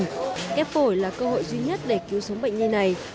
ghép phổi là cơ hội duy nhất để cứu sống bệnh nhân này